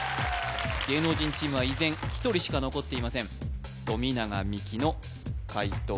芸能人チームは依然１人しか残っていません富永美樹の解答